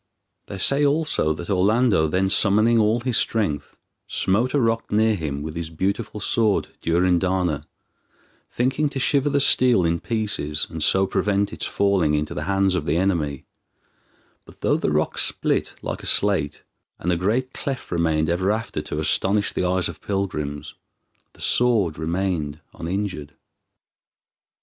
They say also that Orlando then summoning all his strength, smote a rock near him with his beautiful sword Durindana, thinking to shiver the steel in pieces, and so prevent its falling into the hands of the enemy, but though the rock split like a slate, and a great cleft remained ever after to astonish the eyes of pilgrims, the sword remained uninjured.